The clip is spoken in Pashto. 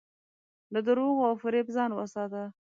له دروغو او فریب ځان وساته.